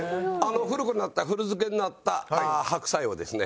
古くなった古漬けになった白菜をですね